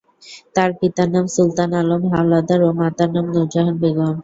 তার পিতার নাম সুলতান আলম হাওলাদার ও মাতার নাম নূর জাহান বেগম।